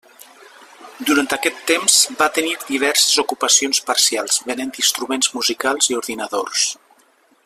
Durant aquest temps va tenir diverses ocupacions parcials venent instruments musicals i ordinadors.